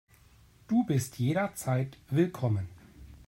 Du bist jederzeit willkommen.